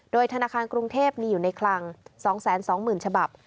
โดยธนาคารกรุงเทพมีอยู่ในคลัง๒๒๐๐๐ฉบับ